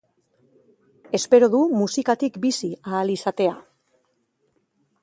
Espero du musikatik bizi ahal izatea.